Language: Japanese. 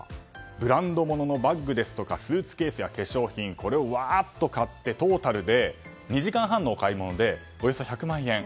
ブランド物のバッグですとかスーツケースや化粧品を、わっと買ってトータルで２時間半のお買い物でおよそ１００万円。